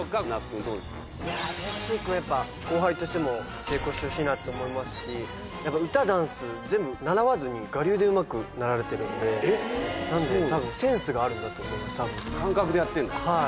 いやあジェシーくんやっぱ後輩としても成功してほしいなと思いますし歌ダンス全部習わずに我流でうまくなられてるんでたぶんセンスがあるんだと思います感覚でやってんだ？